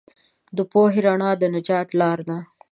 د پوهې رڼا د نجات لار ده.